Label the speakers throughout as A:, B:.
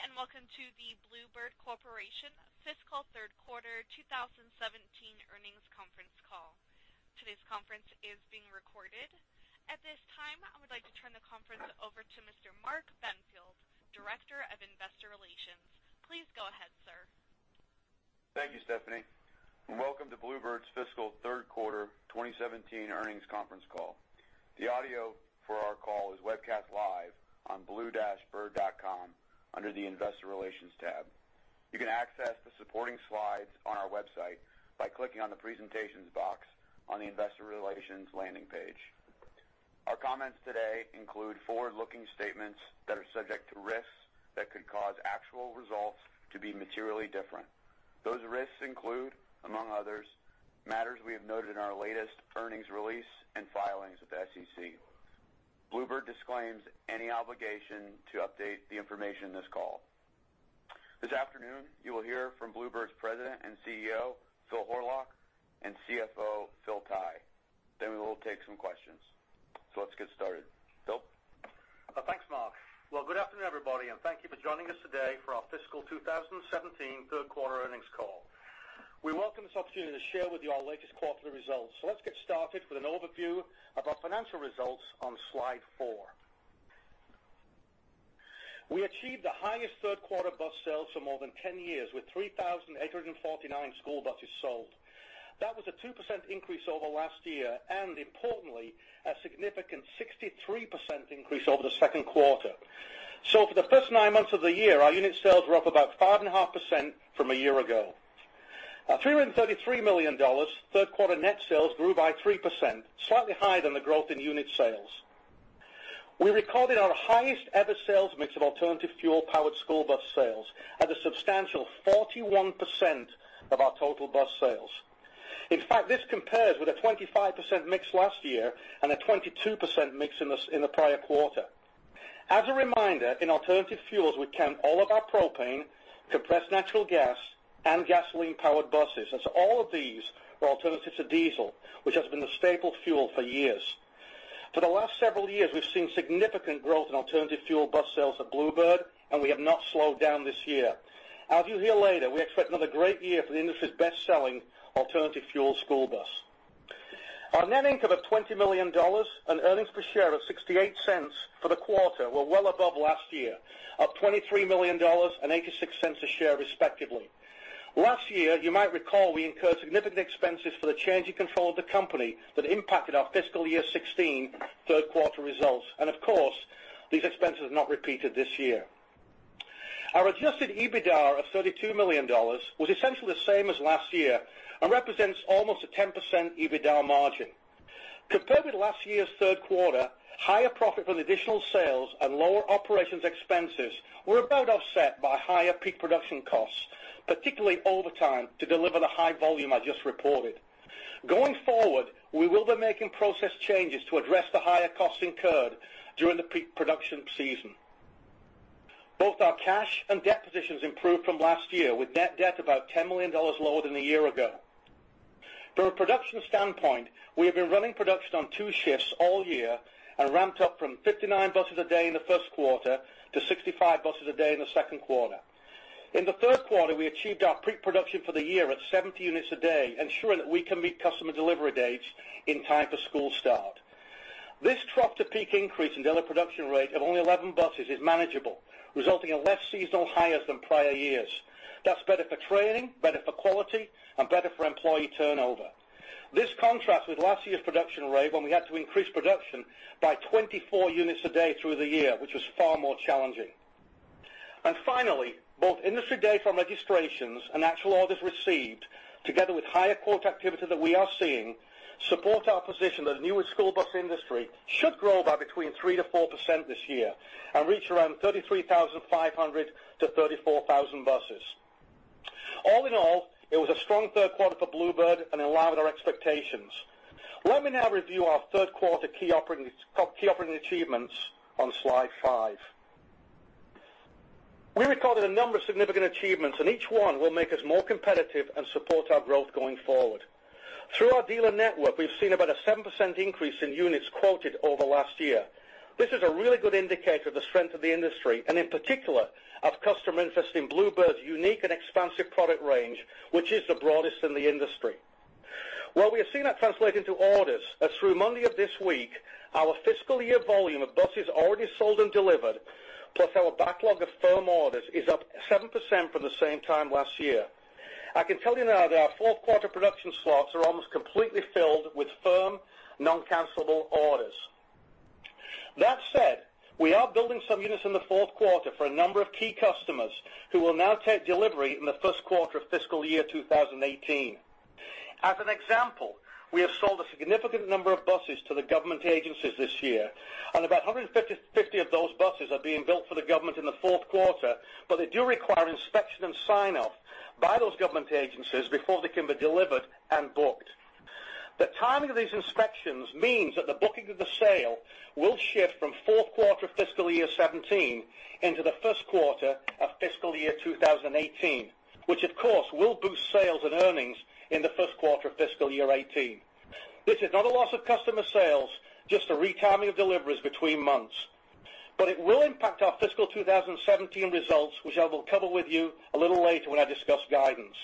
A: Good day, welcome to the Blue Bird Corporation Fiscal Third Quarter 2017 Earnings Conference Call. Today's conference is being recorded. At this time, I would like to turn the conference over to Mr. Mark Benfield, Director of Investor Relations. Please go ahead, sir.
B: Thank you, Stephanie, welcome to Blue Bird's Fiscal Third Quarter 2017 Earnings Conference Call. The audio for our call is webcast live on blue-bird.com under the Investor Relations tab. You can access the supporting slides on our website by clicking on the presentations box on the Investor Relations landing page. Our comments today include forward-looking statements that are subject to risks that could cause actual results to be materially different. Those risks include, among others, matters we have noted in our latest earnings release and filings with the SEC. Blue Bird disclaims any obligation to update the information in this call. This afternoon, you will hear from Blue Bird's President and CEO, Phil Horlock, and CFO, Phil Tighe. We will take some questions. Let's get started. Phil?
C: Thanks, Mark. Well, good afternoon, everybody, thank you for joining us today for our fiscal 2017 third quarter earnings call. We welcome this opportunity to share with you our latest quarterly results. Let's get started with an overview of our financial results on slide four. We achieved the highest third quarter bus sales for more than 10 years with 3,849 school buses sold. That was a 2% increase over last year, importantly, a significant 63% increase over the second quarter. For the first nine months of the year, our unit sales were up about 5.5% from a year ago. At $333 million, third quarter net sales grew by 3%, slightly higher than the growth in unit sales. We recorded our highest ever sales mix of alternative fuel powered school bus sales at a substantial 41% of our total bus sales. In fact, this compares with a 25% mix last year, a 22% mix in the prior quarter. As a reminder, in alternative fuels, we count all of our propane, compressed natural gas, and gasoline-powered buses. All of these are alternatives to diesel, which has been the staple fuel for years. For the last several years, we've seen significant growth in alternative fuel bus sales at Blue Bird, we have not slowed down this year. As you'll hear later, we expect another great year for the industry's best-selling alternative fuel school bus. Our net income of $20 million and earnings per share of $0.68 for the quarter were well above last year, up $23 million and $0.86 a share respectively. Last year, you might recall we incurred significant expenses for the change in control of the company that impacted our fiscal year 2016 third quarter results. Of course, these expenses are not repeated this year. Our adjusted EBITDA of $32 million was essentially the same as last year and represents almost a 10% EBITDA margin. Compared with last year's third quarter, higher profit on additional sales and lower operations expenses were about offset by higher peak production costs, particularly overtime, to deliver the high volume I just reported. Going forward, we will be making process changes to address the higher costs incurred during the peak production season. Both our cash and debt positions improved from last year, with net debt about $10 million lower than a year ago. From a production standpoint, we have been running production on two shifts all year and ramped up from 59 buses a day in the first quarter to 65 buses a day in the second quarter. In the third quarter, we achieved our peak production for the year at 70 units a day, ensuring that we can meet customer delivery dates in time for school start. This trough to peak increase in daily production rate of only 11 buses is manageable, resulting in less seasonal hires than prior years. That's better for training, better for quality, and better for employee turnover. This contrasts with last year's production rate when we had to increase production by 24 units a day through the year, which was far more challenging. Finally, both industry data from registrations and actual orders received, together with higher quote activity that we are seeing, support our position that the newest school bus industry should grow by between 3%-4% this year and reach around 33,500 to 34,000 buses. All in all, it was a strong third quarter for Blue Bird and in line with our expectations. Let me now review our third quarter key operating achievements on slide five. We recorded a number of significant achievements, each one will make us more competitive and support our growth going forward. Through our dealer network, we've seen about a 7% increase in units quoted over last year. This is a really good indicator of the strength of the industry, and in particular, of customer interest in Blue Bird's unique and expansive product range, which is the broadest in the industry. While we have seen that translate into orders, as through Monday of this week, our fiscal year volume of buses already sold and delivered, plus our backlog of firm orders, is up 7% from the same time last year. I can tell you now that our fourth quarter production slots are almost completely filled with firm, non-cancelable orders. That said, we are building some units in the fourth quarter for a number of key customers who will now take delivery in the first quarter of fiscal year 2018. As an example, we have sold a significant number of buses to the government agencies this year, about 150 of those buses are being built for the government in the fourth quarter, they do require inspection and sign-off by those government agencies before they can be delivered and booked. The timing of these inspections means that the booking of the sale will shift from fourth quarter fiscal year 2017 into the first quarter of fiscal year 2018, which of course, will boost sales and earnings in the first quarter of fiscal year 2018. This is not a loss of customer sales, just a retiming of deliveries between months. It will impact our fiscal 2017 results, which I will cover with you a little later when I discuss guidance.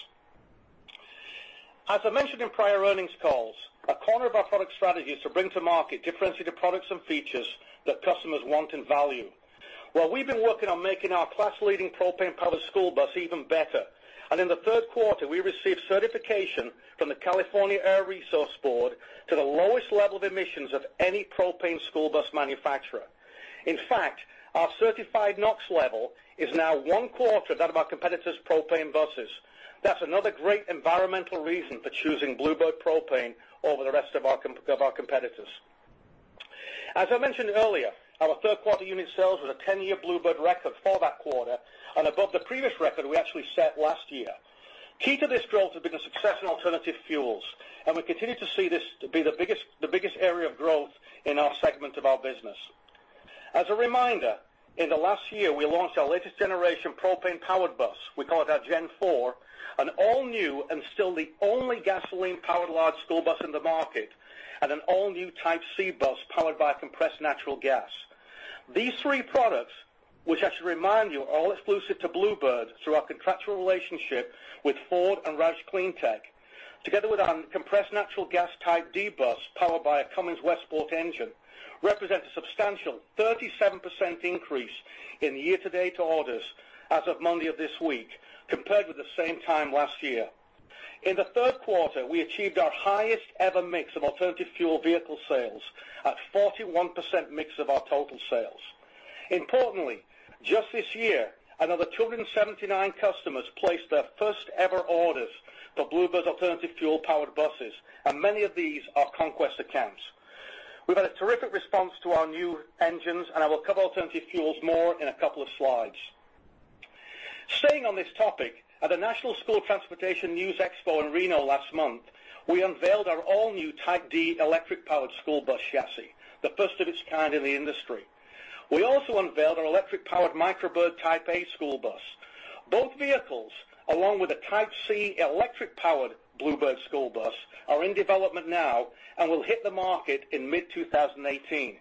C: As I mentioned in prior earnings calls, a corner of our product strategy is to bring to market differentiated products and features that customers want and value. Well, we've been working on making our class-leading propane-powered school bus even better. In the third quarter, we received certification from the California Air Resources Board to the lowest level of emissions of any propane school bus manufacturer. In fact, our certified NOx level is now one quarter that of our competitors' propane buses. That's another great environmental reason for choosing Blue Bird propane over the rest of our competitors. As I mentioned earlier, our third quarter unit sales was a 10-year Blue Bird record for that quarter and above the previous record we actually set last year. Key to this growth has been the success in alternative fuels. We continue to see this to be the biggest area of growth in our segment of our business. As a reminder, in the last year, we launched our latest generation propane-powered bus, we call it our Gen 4, an all-new and still the only gasoline-powered large school bus in the market, and an all-new Type C bus powered by compressed natural gas. These three products, which I should remind you, are all exclusive to Blue Bird through our contractual relationship with Ford and ROUSH CleanTech, together with our compressed natural gas Type D bus powered by a Cummins Westport engine, represent a substantial 37% increase in year-to-date orders as of Monday of this week compared with the same time last year. In the third quarter, we achieved our highest ever mix of alternative fuel vehicle sales at 41% mix of our total sales. Importantly, just this year, 279 customers placed their first ever orders for Blue Bird's alternative fuel-powered buses. Many of these are conquest accounts. We've had a terrific response to our new engines. I will cover alternative fuels more in a couple of slides. Staying on this topic, at the School Transportation News EXPO in Reno last month, we unveiled our all-new Type D electric-powered school bus chassis, the first of its kind in the industry. We also unveiled our electric-powered Micro Bird Type A school bus. Both vehicles, along with a Type C electric-powered Blue Bird school bus, are in development now and will hit the market in mid-2018.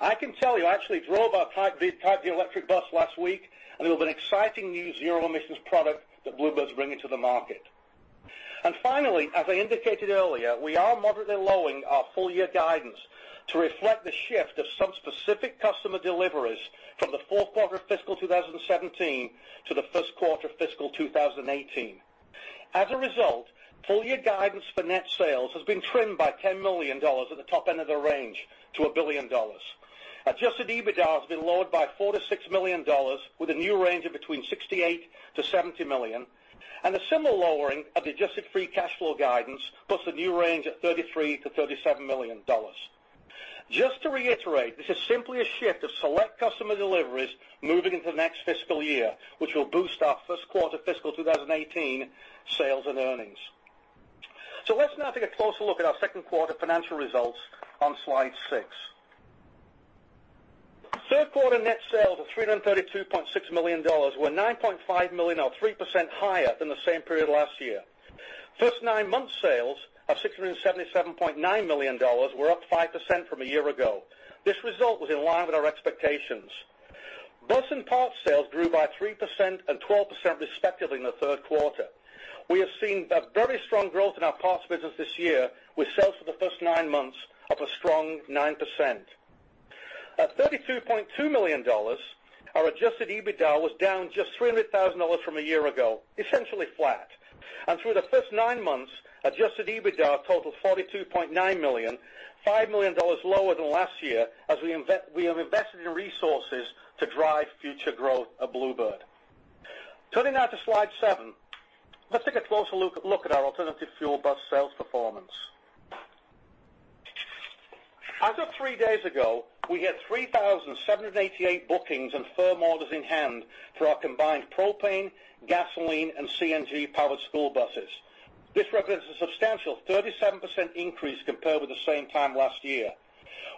C: I can tell you, I actually drove our Type D electric bus last week, and it will be an exciting new zero emissions product that Blue Bird's bringing to the market. Finally, as I indicated earlier, we are moderately lowering our full-year guidance to reflect the shift of some specific customer deliveries from the fourth quarter of fiscal 2017 to the first quarter of fiscal 2018. As a result, full-year guidance for net sales has been trimmed by $10 million at the top end of the range to $1 billion. Adjusted EBITDA has been lowered by $4 million-$6 million, with a new range of between $68 million-$70 million, and a similar lowering of the adjusted free cash flow guidance plus a new range of $33 million-$37 million. Just to reiterate, this is simply a shift of select customer deliveries moving into the next fiscal year, which will boost our first quarter fiscal 2018 sales and earnings. Let's now take a closer look at our second quarter financial results on slide six. Third quarter net sales of $332.6 million were $9.5 million or 3% higher than the same period last year. First nine months sales of $677.9 million were up 5% from a year ago. This result was in line with our expectations. Bus and parts sales grew by 3% and 12% respectively in the third quarter. We have seen a very strong growth in our parts business this year, with sales for the first nine months up a strong 9%. At $32.2 million, our adjusted EBITDA was down just $300,000 from a year ago, essentially flat. Through the first nine months, adjusted EBITDA totaled $42.9 million, $5 million lower than last year as we have invested in resources to drive future growth of Blue Bird. Turning now to slide seven, let's take a closer look at our alternative fuel bus sales performance. As of three days ago, we had 3,788 bookings and firm orders in hand for our combined propane, gasoline, and CNG powered school buses. This represents a substantial 37% increase compared with the same time last year.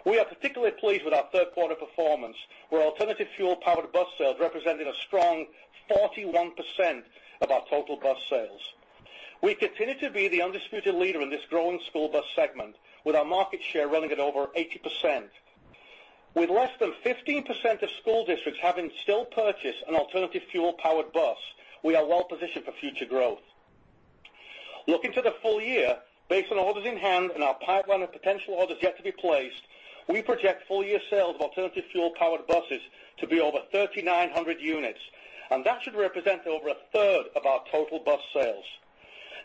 C: We are particularly pleased with our third quarter performance, where alternative fuel powered bus sales represented a strong 41% of our total bus sales. We continue to be the undisputed leader in this growing school bus segment, with our market share running at over 80%. With less than 15% of school districts having still purchased an alternative fuel-powered bus, we are well positioned for future growth. Looking to the full year, based on orders in hand and our pipeline of potential orders yet to be placed, we project full year sales of alternative fuel-powered buses to be over 3,900 units. That should represent over a third of our total bus sales.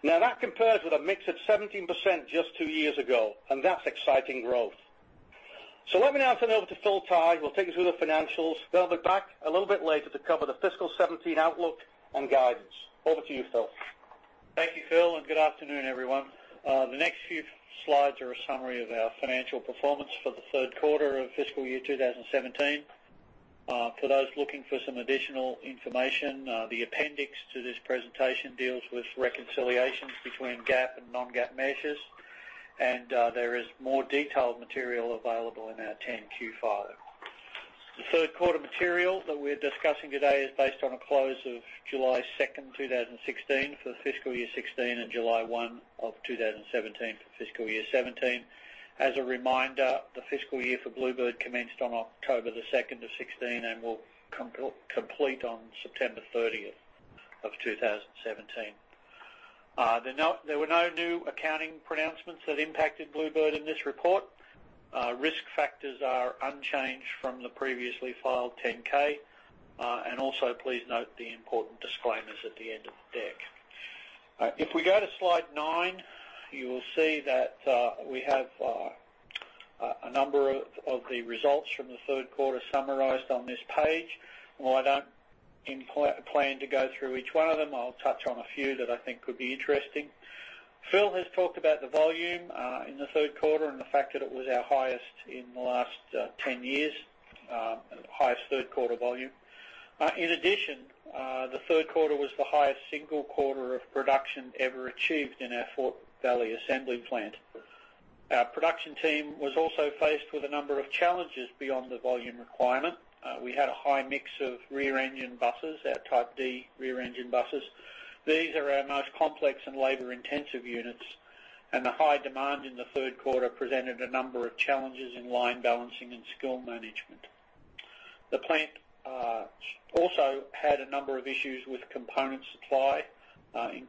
C: That compares with a mix of 17% just two years ago, and that's exciting growth. Let me now turn it over to Phil Tighe, who will take us through the financials. I'll be back a little bit later to cover the fiscal 2017 outlook and guidance. Over to you, Phil.
D: Thank you, Phil, and good afternoon, everyone. The next few slides are a summary of our financial performance for the third quarter of fiscal year 2017. For those looking for some additional information, the appendix to this presentation deals with reconciliations between GAAP and non-GAAP measures, and there is more detailed material available in our 10-Q filing. The third quarter material that we're discussing today is based on a close of July 2nd, 2016 for the fiscal year 2016, and July 1 of 2017 for fiscal year 2017. As a reminder, the fiscal year for Blue Bird commenced on October the 2nd of 2016 and will complete on September 30th of 2017. There were no new accounting pronouncements that impacted Blue Bird in this report. Risk factors are unchanged from the previously filed 10-K. Also please note the important disclaimers at the end of the deck. If we go to slide nine, you will see that we have a number of the results from the third quarter summarized on this page. While I don't plan to go through each one of them, I'll touch on a few that I think could be interesting. Phil has talked about the volume in the third quarter and the fact that it was our highest in the last 10 years, highest third quarter volume. In addition, the third quarter was the highest single quarter of production ever achieved in our Fort Valley assembly plant. Our production team was also faced with a number of challenges beyond the volume requirement. We had a high mix of rear engine buses, our Type D rear engine buses. These are our most complex and labor-intensive units, the high demand in the third quarter presented a number of challenges in line balancing and skill management. The plant also had a number of issues with component supply, including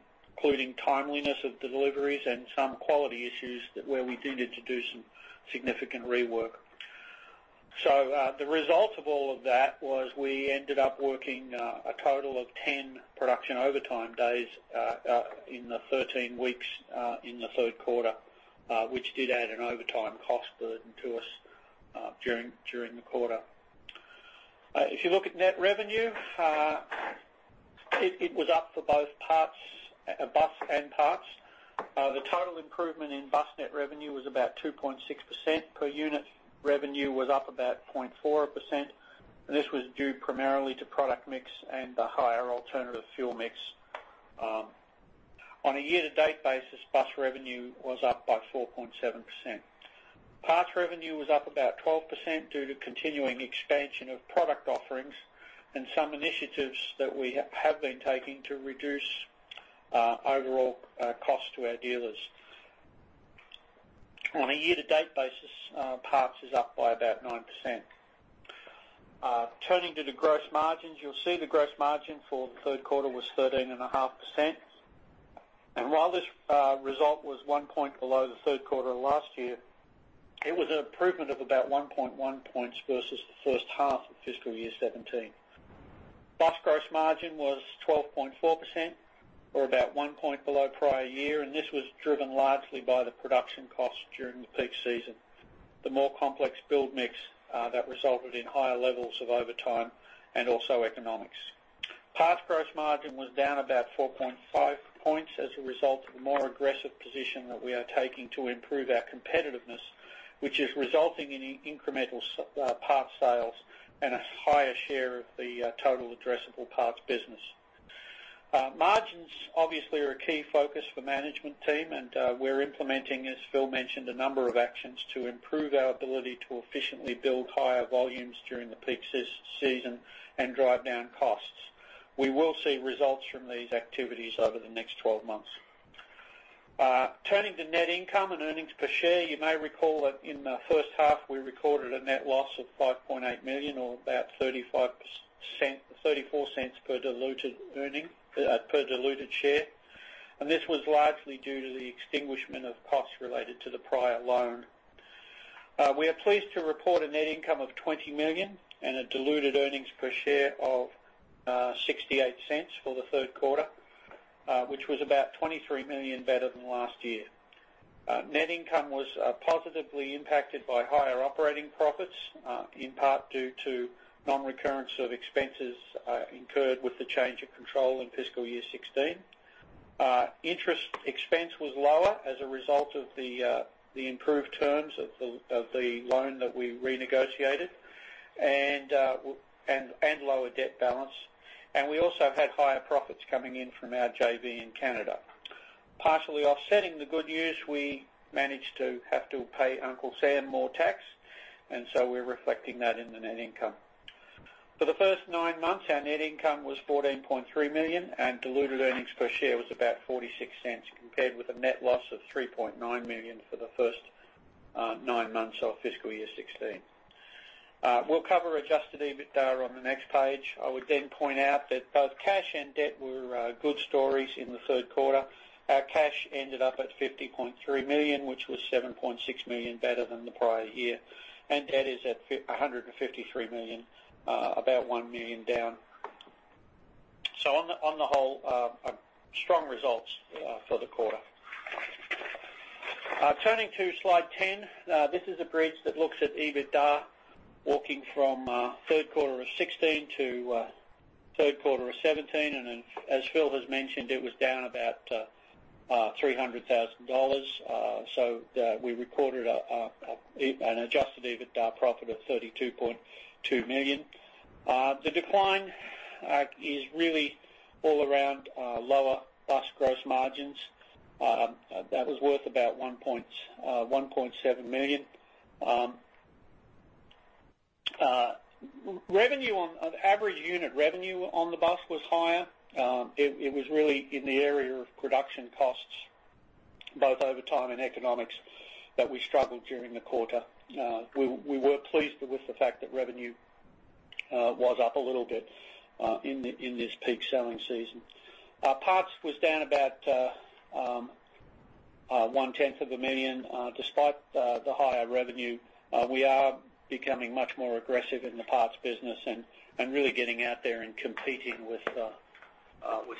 D: timeliness of deliveries and some quality issues where we did need to do some significant rework. The result of all of that was we ended up working a total of 10 production overtime days in the 13 weeks in the third quarter, which did add an overtime cost burden to us during the quarter. If you look at net revenue, it was up for both bus and parts. The total improvement in bus net revenue was about 2.6%. Per unit revenue was up about 0.4%, and this was due primarily to product mix and the higher alternative fuel mix. On a year-to-date basis, bus revenue was up by 4.7%. Parts revenue was up about 12% due to continuing expansion of product offerings and some initiatives that we have been taking to reduce overall cost to our dealers. On a year-to-date basis, parts is up by about 9%. Turning to the gross margins, you'll see the gross margin for the third quarter was 13.5%. While this result was one point below the third quarter last year, it was an improvement of about 1.1 points versus the first half of fiscal year 2017. Bus gross margin was 12.4%, or about one point below prior year, and this was driven largely by the production cost during the peak season, the more complex build mix that resulted in higher levels of overtime, and also economics. Parts gross margin was down about 4.5 points as a result of a more aggressive position that we are taking to improve our competitiveness, which is resulting in incremental parts sales and a higher share of the total addressable parts business. Margins obviously are a key focus for management team, and we're implementing, as Phil mentioned, a number of actions to improve our ability to efficiently build higher volumes during the peak season and drive down costs. We will see results from these activities over the next 12 months. Turning to net income and earnings per share, you may recall that in the first half we recorded a net loss of $5.8 million, or about $0.34 per diluted share. This was largely due to the extinguishment of costs related to the prior loan. We are pleased to report a net income of $20 million and a diluted earnings per share of $0.68 for the third quarter, which was about $23 million better than last year. Net income was positively impacted by higher operating profits, in part due to non-recurrence of expenses incurred with the change of control in fiscal year 2016. Interest expense was lower as a result of the improved terms of the loan that we renegotiated, and lower debt balance. We also had higher profits coming in from our JV in Canada. Partially offsetting the good news, we managed to have to pay Uncle Sam more tax, so we're reflecting that in the net income. For the first nine months, our net income was $14.3 million, and diluted earnings per share was about $0.46, compared with a net loss of $3.9 million for the first nine months of fiscal year 2016. We'll cover adjusted EBITDA on the next page. I would then point out that both cash and debt were good stories in the third quarter. Our cash ended up at $50.3 million, which was $7.6 million better than the prior year. Debt is at $153 million, about $1 million down. On the whole, strong results for the quarter. Turning to slide 10. This is a bridge that looks at EBITDA, walking from third quarter of 2016 to third quarter of 2017. As Phil has mentioned, it was down about $300,000. We recorded an adjusted EBITDA profit of $32.2 million. The decline is really all around lower bus gross margins. That was worth about $1.7 million. Average unit revenue on the bus was higher. It was really in the area of production costs, both overtime and economics, that we struggled during the quarter. We were pleased with the fact that revenue was up a little bit in this peak selling season. Parts was down about one-tenth of a million. Despite the higher revenue, we are becoming much more aggressive in the parts business and really getting out there and competing with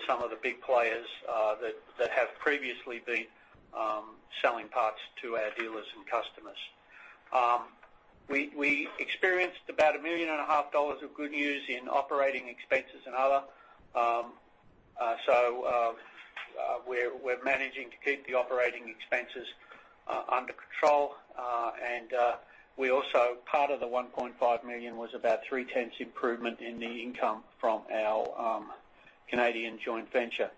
D: some of the big players that have previously been selling parts to our dealers and customers. We experienced about a million and a half dollars of good news in operating expenses and other. We're managing to keep the operating expenses under control. Part of the $1.5 million was about three-tenths improvement in the income from our Canadian joint venture.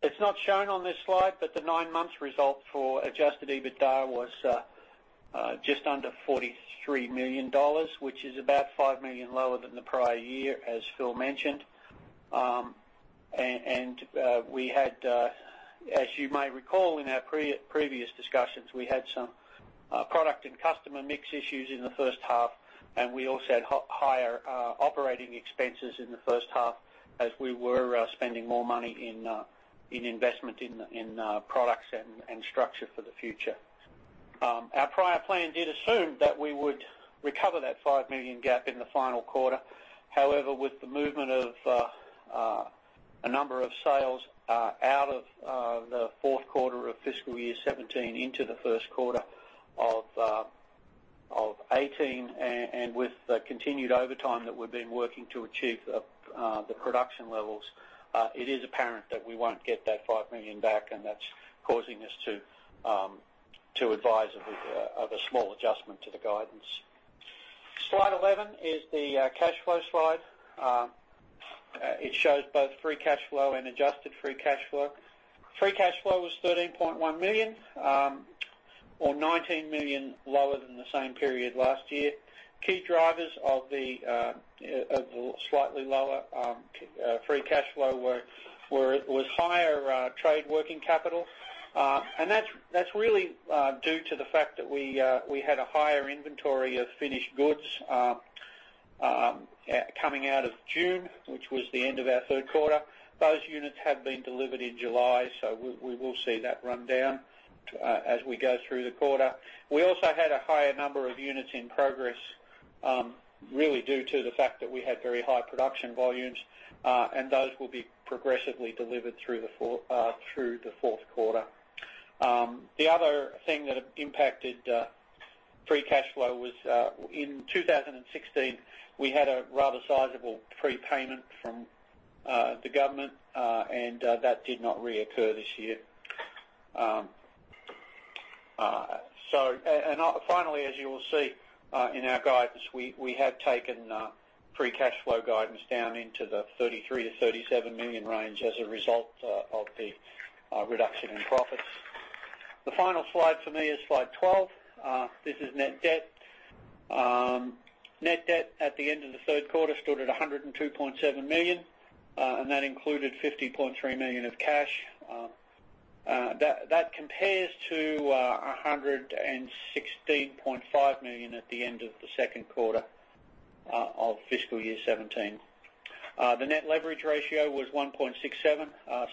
D: It's not shown on this slide, but the nine-month result for adjusted EBITDA was just under $43 million, which is about $5 million lower than the prior year, as Phil mentioned. As you may recall in our previous discussions, we had some product and customer mix issues in the first half, and we also had higher operating expenses in the first half as we were spending more money in investment in products and structure for the future. Our prior plan did assume that we would recover that $5 million gap in the final quarter. However, with the movement of a number of sales out of the fourth quarter of fiscal year 2017 into the first quarter of 2018, and with the continued overtime that we've been working to achieve the production levels, it is apparent that we won't get that $5 million back, and that's causing us to advise of a small adjustment to the guidance. Slide 11 is the cash flow slide. It shows both free cash flow and adjusted free cash flow. Free cash flow was $13.1 million, or $19 million lower than the same period last year. Key drivers of the slightly lower free cash flow was higher trade working capital. That's really due to the fact that we had a higher inventory of finished goods coming out of June, which was the end of our third quarter. Those units have been delivered in July, so we will see that run down as we go through the quarter. We also had a higher number of units in progress really due to the fact that we had very high production volumes, and those will be progressively delivered through the fourth quarter. The other thing that impacted free cash flow was, in 2016, we had a rather sizable prepayment from the government, and that did not reoccur this year. Finally, as you will see in our guidance, we have taken free cash flow guidance down into the $33 million-$37 million range as a result of the reduction in profits. The final slide for me is slide 12. This is net debt. Net debt at the end of the third quarter stood at $102.7 million, and that included $50.3 million of cash. That compares to $116.5 million at the end of the second quarter of fiscal year 2017. The net leverage ratio was 1.67,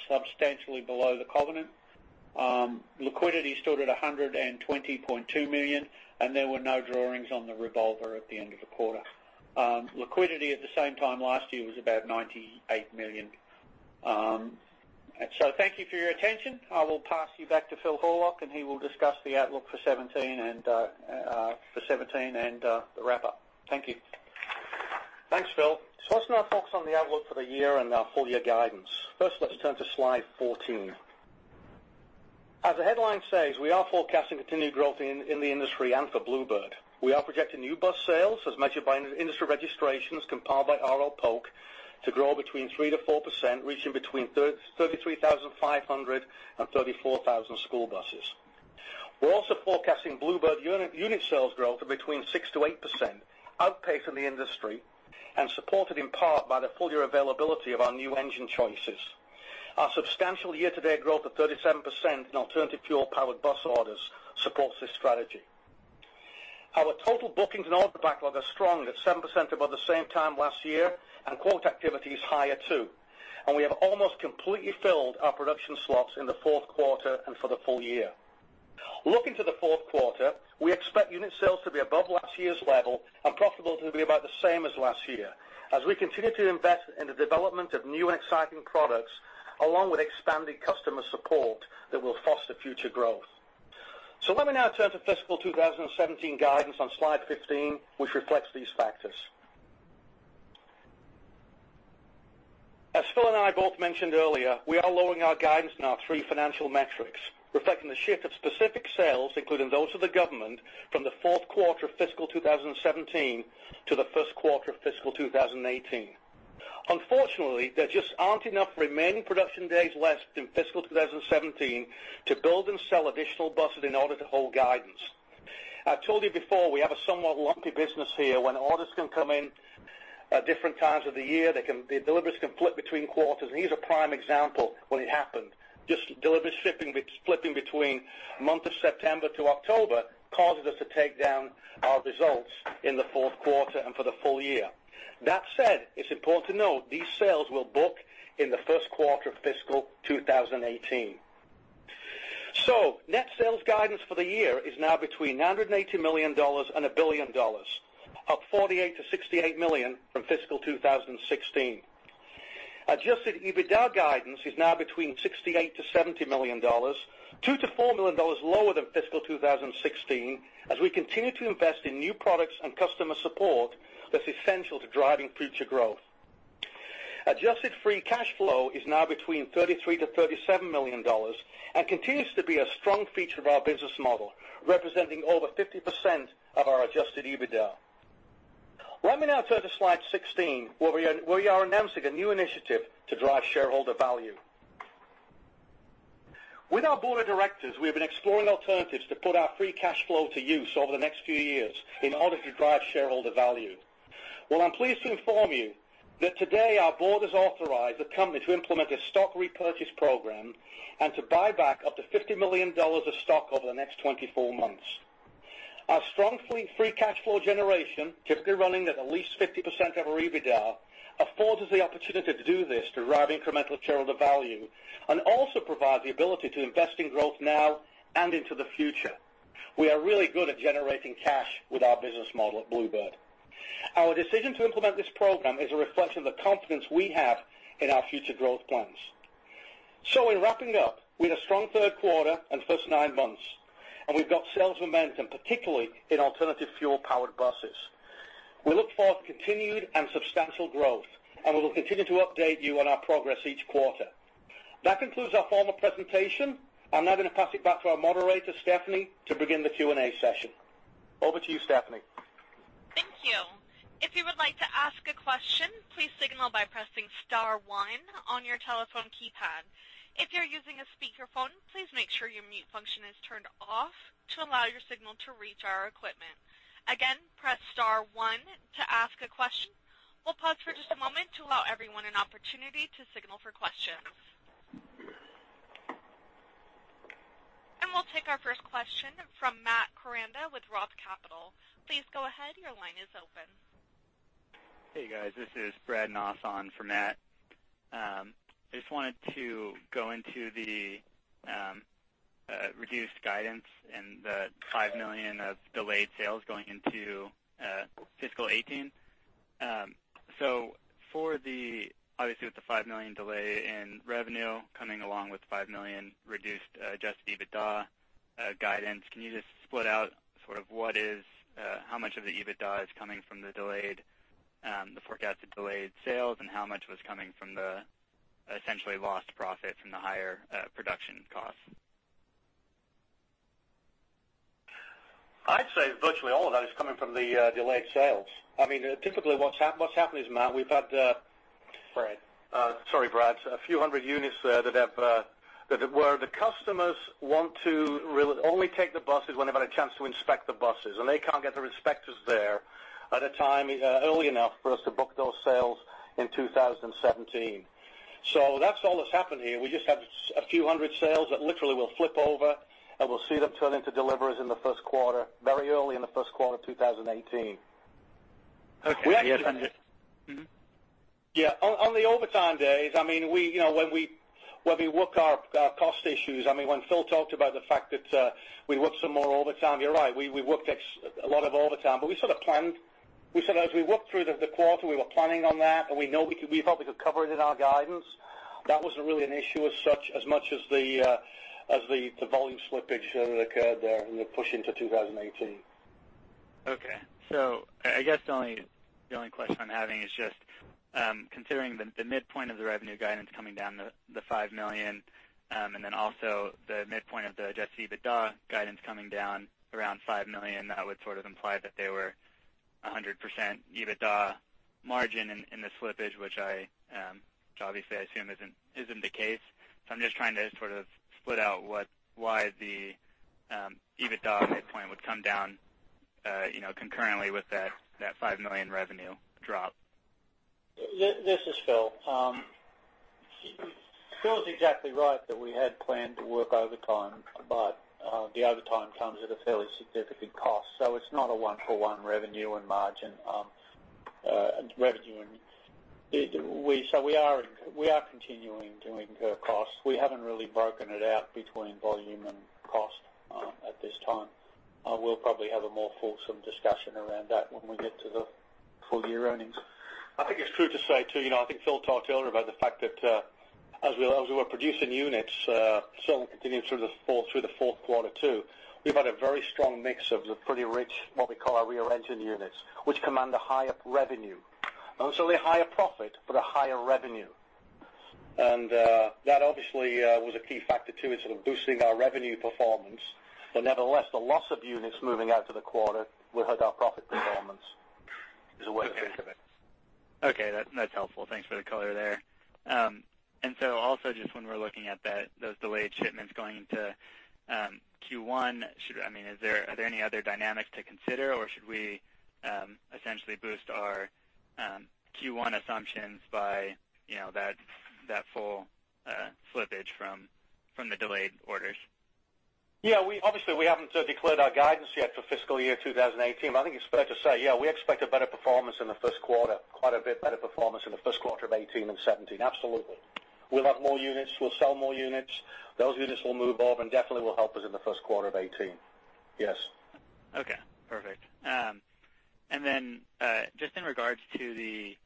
D: substantially below the covenant. Liquidity stood at $120.2 million, and there were no drawings on the revolver at the end of the quarter. Liquidity at the same time last year was about $98 million. Thank you for your attention. I will pass you back to Phil Horlock, and he will discuss the outlook for 2017 and the wrap-up. Thank you.
C: Thanks, Phil. Let's now focus on the outlook for the year and our full-year guidance. First, let's turn to slide 14. As the headline says, we are forecasting continued growth in the industry and for Blue Bird. We are projecting new bus sales as measured by industry registrations compiled by R.L. Polk to grow between 3%-4%, reaching between 33,500 and 34,000 school buses. We are also forecasting Blue Bird unit sales growth of between 6%-8%, outpacing the industry and supported in part by the full-year availability of our new engine choices. Our substantial year-to-date growth of 37% in alternative fuel-powered bus orders supports this strategy. Our total bookings and order backlog are strong at 7% above the same time last year, and quote activity is higher too. We have almost completely filled our production slots in the fourth quarter and for the full year. Looking to the fourth quarter, we expect unit sales to be above last year's level and profitable to be about the same as last year, as we continue to invest in the development of new exciting products, along with expanded customer support that will foster future growth. Let me now turn to fiscal 2017 guidance on slide 15, which reflects these factors. As Phil and I both mentioned earlier, we are lowering our guidance in our three financial metrics, reflecting the shift of specific sales, including those of the government, from the fourth quarter of fiscal 2017 to the first quarter of fiscal 2018. Unfortunately, there just aren't enough remaining production days left in fiscal 2017 to build and sell additional buses in order to hold guidance. I told you before, we have a somewhat lumpy business here. When orders can come in at different times of the year, the deliveries can flip between quarters, and here's a prime example when it happened. Just delivery shipping splitting between the month of September to October causes us to take down our results in the fourth quarter and for the full year. That said, it's important to note these sales will book in the first quarter of fiscal 2018. Net sales guidance for the year is now between $980 million and $1 billion, up $48 million to $68 million from fiscal 2016. Adjusted EBITDA guidance is now between $68 million to $70 million, $2 million to $4 million lower than fiscal 2016, as we continue to invest in new products and customer support that's essential to driving future growth. Adjusted free cash flow is now between $33 million to $37 million and continues to be a strong feature of our business model, representing over 50% of our adjusted EBITDA. Let me now turn to slide 16, where we are announcing a new initiative to drive shareholder value. With our board of directors, we have been exploring alternatives to put our free cash flow to use over the next few years in order to drive shareholder value. I am pleased to inform you that today our board has authorized the company to implement a stock repurchase program and to buy back up to $50 million of stock over the next 24 months. Our strong free cash flow generation, typically running at at least 50% of our EBITDA, affords us the opportunity to do this to derive incremental shareholder value and also provide the ability to invest in growth now and into the future. We are really good at generating cash with our business model at Blue Bird. Our decision to implement this program is a reflection of the confidence we have in our future growth plans. In wrapping up, we had a strong third quarter and first nine months, we've got sales momentum, particularly in alternative fuel-powered buses. We look for continued and substantial growth, we will continue to update you on our progress each quarter. That concludes our formal presentation. I'm now going to pass it back to our moderator, Stephanie, to begin the Q&A session. Over to you, Stephanie.
A: Thank you. If you would like to ask a question, please signal by pressing *1 on your telephone keypad. If you're using a speakerphone, please make sure your mute function is turned off to allow your signal to reach our equipment. Again, press *1 to ask a question. We'll pause for just a moment to allow everyone an opportunity to signal for questions. We'll take our first question from Matt Koranda with Roth Capital. Please go ahead. Your line is open.
E: Hey, guys. This is Brad Naasan for Matt. I just wanted to go into the reduced guidance and the $5 million of delayed sales going into fiscal 2018. Obviously, with the $5 million delay in revenue coming along with $5 million reduced adjusted EBITDA guidance, can you just split out how much of the EBITDA is coming from the forecasted delayed sales, and how much was coming from the essentially lost profit from the higher production costs?
C: I'd say virtually all of that is coming from the delayed sales. Typically, what's happened is, Matt, we've had.
E: Brad
C: Sorry, Brad. A few hundred units there where the customers want to really only take the buses when they've had a chance to inspect the buses, and they can't get their inspectors there early enough for us to book those sales in 2017. That's all that's happened here. We just have a few hundred sales that literally will flip over, and we'll see them turn into deliveries very early in the first quarter of 2018.
E: Okay.
C: Yeah. On the overtime days, when we work our cost issues, when Phil talked about the fact that we worked some more overtime, you're right, we worked a lot of overtime, we sort of planned. As we worked through the quarter, we were planning on that, and we felt we could cover it in our guidance. That wasn't really an issue as much as the volume slippage that occurred there in the push into 2018.
E: Okay. I guess the only question I'm having is just considering the midpoint of the revenue guidance coming down the $5 million, and then also the midpoint of the adjusted EBITDA guidance coming down around $5 million, that would sort of imply that they were 100% EBITDA margin in the slippage, which obviously I assume isn't the case. I'm just trying to sort of split out why the EBITDA midpoint would come down concurrently with that $5 million revenue drop.
D: This is Phil. Phil's exactly right that we had planned to work overtime, the overtime comes at a fairly significant cost. It's not a one-for-one revenue and margin. We are continuing to incur costs. We haven't really broken it out between volume and cost at this time. We'll probably have a more fulsome discussion around that when we get to the full-year earnings.
C: I think it is true to say, too, I think Phil talked earlier about the fact that as we were producing units, selling continued through the fourth quarter, too. We have had a very strong mix of the pretty rich, what we call our rear engine units, which command a higher revenue. Not necessarily a higher profit, but a higher revenue. That obviously was a key factor, too, in sort of boosting our revenue performance. Nevertheless, the loss of units moving out to the quarter will hurt our profit performance is the way to think of it.
E: Okay, that is helpful. Thanks for the color there. Also just when we are looking at those delayed shipments going into Q1, are there any other dynamics to consider or should we essentially boost our Q1 assumptions by that full slippage from the delayed orders?
C: Yeah. Obviously, we have not declared our guidance yet for fiscal year 2018, but I think it is fair to say, yeah, we expect a better performance in the first quarter, quite a bit better performance in the first quarter of 2018 than 2017. Absolutely. We will have more units, we will sell more units. Those units will move off and definitely will help us in the first quarter of 2018. Yes.
E: Okay, perfect. Just in regards to the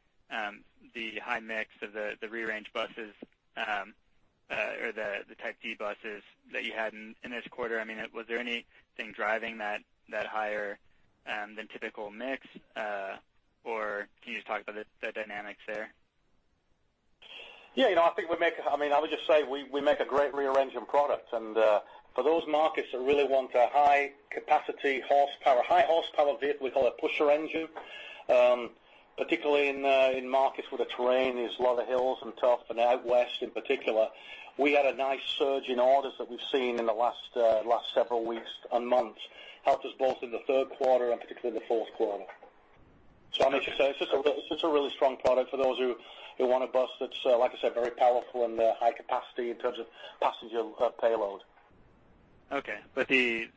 E: high mix of the rear range buses, or the Type D buses that you had in this quarter, was there anything driving that higher than typical mix? Can you just talk about the dynamics there?
C: Yeah. I would just say, we make a great rear-engine product, and for those markets that really want a high capacity horsepower, high horsepower vehicle, we call a pusher engine. Particularly in markets where the terrain is a lot of hills and tough and out west in particular, we had a nice surge in orders that we've seen in the last several weeks and months. Helped us both in the third quarter and particularly the fourth quarter. I need to say, it's just a really strong product for those who want a bus that's, like I said, very powerful and high capacity in terms of passenger payload.
E: Okay. The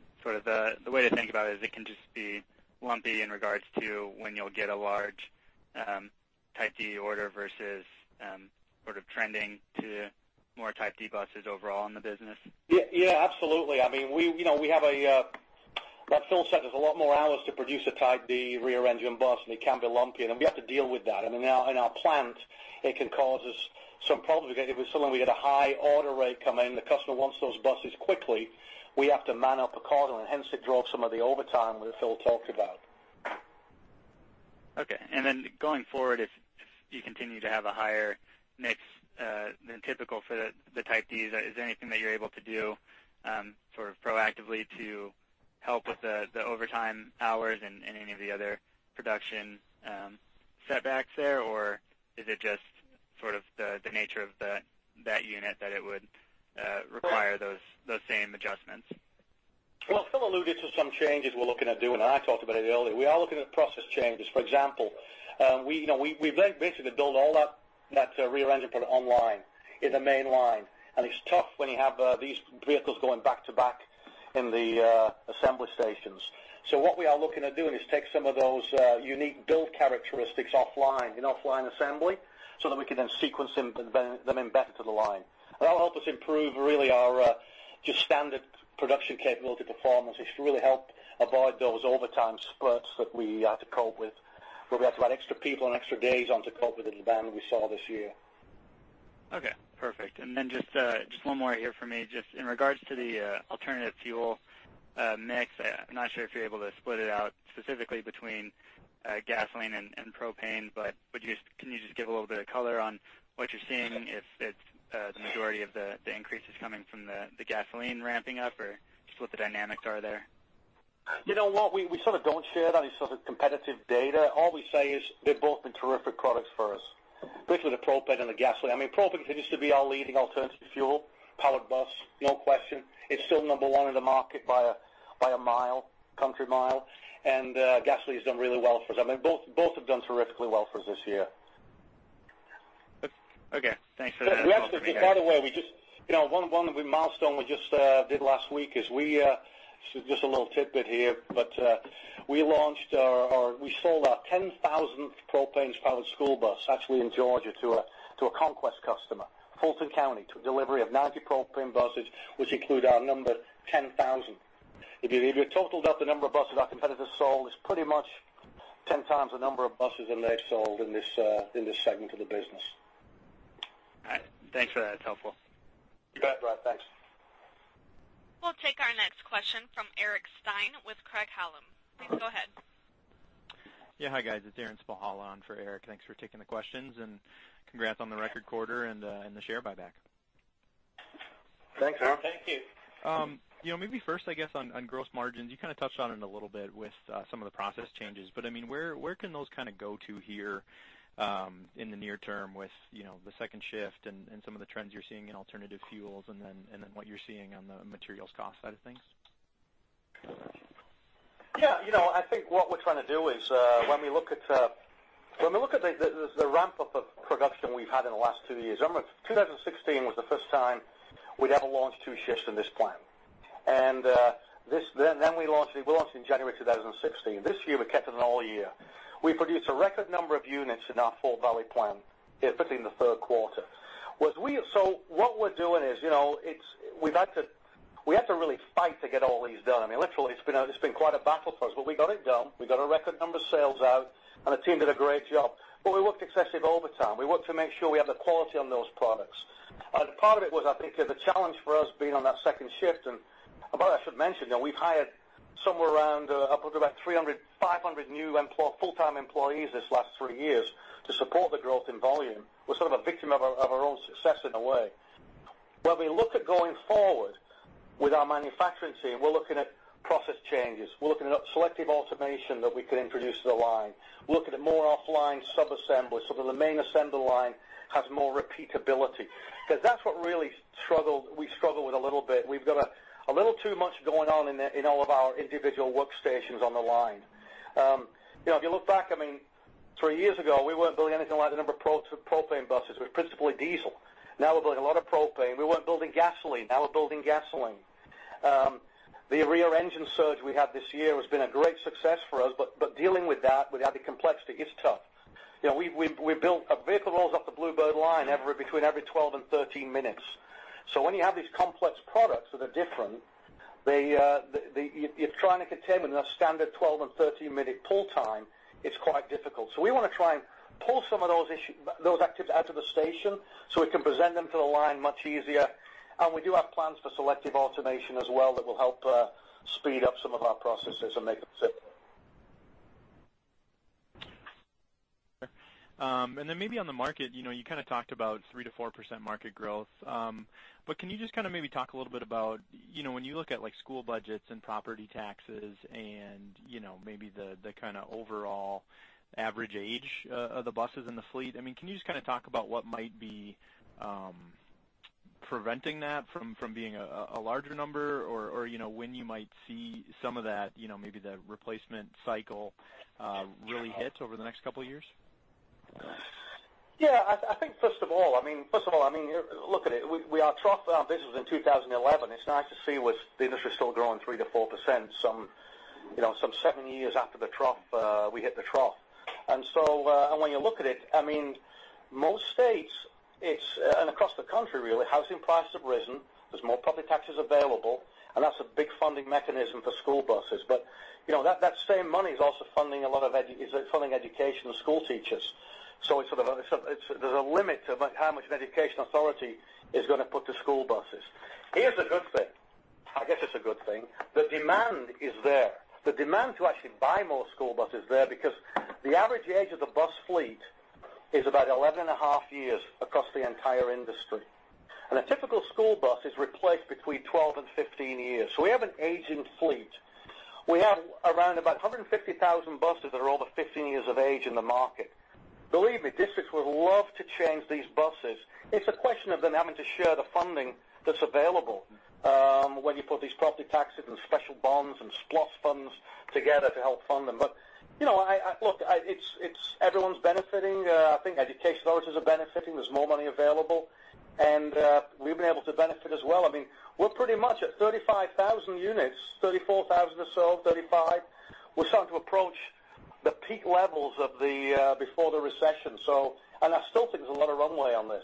E: way to think about it is it can just be lumpy in regards to when you'll get a large Type D order versus sort of trending to more Type D buses overall in the business?
C: Yeah, absolutely. Like Phil said, there's a lot more hours to produce a Type D rear engine bus, and it can be lumpier, and we have to deal with that. In our plant, it can cause us some problems because if suddenly we get a high order rate come in, the customer wants those buses quickly, we have to man up a corridor, and hence it drove some of the overtime that Phil talked about.
E: Okay. Going forward, if you continue to have a higher mix than typical for the Type Ds, is there anything that you're able to do sort of proactively to help with the overtime hours and any of the other production setbacks there? Is it just sort of the nature of that unit that it would require those same adjustments?
C: Well, Phil alluded to some changes we're looking at doing. I talked about it earlier. We are looking at process changes. For example, we've basically built all that rear engine product online in the main line. It's tough when you have these vehicles going back to back in the assembly stations. What we are looking at doing is take some of those unique build characteristics offline, in offline assembly, so that we can then sequence them in back to the line. That'll help us improve really our just standard production capability performance. It should really help avoid those overtime splits that we have to cope with, where we have to run extra people and extra days on to cope with the demand we saw this year.
E: Okay, perfect. Then just one more here for me. Just in regards to the alternative fuel mix, I'm not sure if you're able to split it out specifically between gasoline and propane, can you just give a little bit of color on what you're seeing, if the majority of the increase is coming from the gasoline ramping up or just what the dynamics are there?
C: You know what? We sort of don't share that. It's sort of competitive data. All we say is they've both been terrific products for us, both with the propane and the gasoline. Propane continues to be our leading alternative fuel powered bus. No question. It's still number one in the market by a mile, country mile. Gasoline has done really well for us. Both have done terrifically well for us this year.
E: Okay. Thanks for that.
C: By the way, one milestone we just did last week is just a little tidbit here, but we sold our 10,000th propane-powered school bus actually in Georgia to a Conquest customer, Fulton County, to delivery of 90 propane buses, which include our number 10,000. If you totaled up the number of buses our competitors sold, it's pretty much 10 times the number of buses than they've sold in this segment of the business.
E: All right. Thanks for that. It's helpful.
C: You bet, Brad. Thanks.
A: We'll take our next question from Eric Stine with Craig-Hallum. Please go ahead.
F: Yeah, hi, guys. It's Aaron Spychalla on for Eric. Thanks for taking the questions, and congrats on the record quarter and the share buyback.
C: Thanks, Aaron. Thank you.
F: Maybe first, I guess, on gross margins. You kind of touched on it a little bit with some of the process changes, but where can those go to here in the near term with the second shift and some of the trends you're seeing in alternative fuels and then what you're seeing on the materials cost side of things?
C: I think what we're trying to do is when we look at the ramp-up of production we've had in the last two years, 2016 was the first time we'd ever launched two shifts in this plant. We launched in January 2016. This year, we kept it all year. We produced a record number of units in our Fort Valley plant, particularly in the third quarter. What we're doing is we had to really fight to get all these done. Literally, it's been quite a battle for us, we got it done. We got a record number of sales out, the team did a great job, we worked excessive overtime. We worked to make sure we had the quality on those products. Part of it was, I think, the challenge for us being on that second shift. By that, I should mention, we've hired somewhere around up to about 300 to 500 new full-time employees these last three years to support the growth in volume. We're sort of a victim of our own success in a way. When we look at going forward with our manufacturing team, we're looking at process changes. We're looking at selective automation that we could introduce to the line. We're looking at more offline sub-assembly so that the main assembly line has more repeatability, because that's what really we struggle with a little bit. We've got a little too much going on in all of our individual workstations on the line. If you look back, three years ago, we weren't building anything like the number of propane buses. It was principally diesel. Now we're building a lot of propane. We weren't building gasoline. Now we're building gasoline. The rear engine surge we had this year has been a great success for us, dealing with that, with the added complexity, is tough. A vehicle rolls off the Blue Bird line between every 12 and 13 minutes. When you have these complex products that are different, you're trying to contain them in a standard 12- and 13-minute pull time, it's quite difficult. We want to try and pull some of those actives out of the station, we can present them to the line much easier. We do have plans for selective automation as well that will help speed up some of our processes and make them simpler.
F: Then maybe on the market. You talked about 3%-4% market growth. Can you just maybe talk a little bit about when you look at school budgets and property taxes and maybe the overall average age of the buses in the fleet, can you just talk about what might be preventing that from being a larger number or when you might see some of that, maybe the replacement cycle really hit over the next couple of years?
C: Yeah. I think, first of all, look at it. We are trough business in 2011. It's nice to see the industry is still growing 3% to 4% some seven years after we hit the trough. When you look at it, most states and across the country really, housing prices have risen. There's more public taxes available, and that's a big funding mechanism for school buses. That same money is also funding education and school teachers. There's a limit to how much an education authority is going to put to school buses. Here's a good thing. I guess it's a good thing. The demand is there. The demand to actually buy more school buses is there because the average age of the bus fleet is about 11 and a half years across the entire industry. A typical school bus is replaced between 12 and 15 years. We have an aging fleet. We have around about 150,000 buses that are over 15 years of age in the market. Believe me, districts would love to change these buses. It's a question of them having to share the funding that's available when you put these property taxes and special bonds and SPLOST funds together to help fund them. Look, everyone's benefiting. I think education authorities are benefiting. There's more money available, and we've been able to benefit as well. We're pretty much at 35,000 units, 34,000 or so, 35. We're starting to approach the peak levels before the recession. I still think there's a lot of runway on this.